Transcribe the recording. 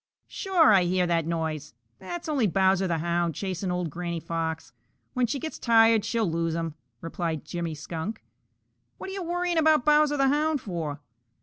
"Sure, I hear that noise. That's only Bowser the Hound chasing old Granny Fox. When she gets tired she'll lose him," replied Jimmy Skunk. "What are you worrying about Bowser the Hound for?"